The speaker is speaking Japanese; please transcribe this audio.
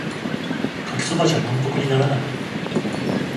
かけそばじゃ満腹にならない